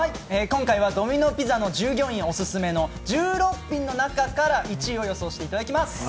今回はドミノ・ピザの従業員オススメの１６品の中から１位を予想してもらいます！